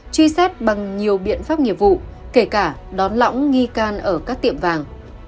truy xét bằng nhiều biện pháp nghiệp vụ kể cả đón lõng nghi can ở các tiệm vàng